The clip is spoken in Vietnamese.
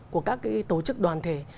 của các cái tổ chức đoàn thể